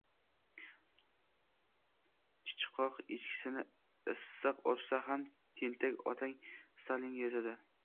“Chichqoq echkisini issiq ursa ham, tentak otang Stalinga yozadi…”